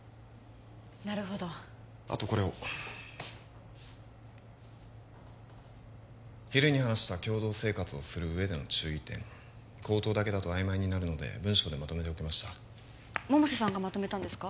なるほどあとこれを昼に話した共同生活をする上での注意点口頭だけだと曖昧になるので文章でまとめておきました百瀬さんがまとめたんですか？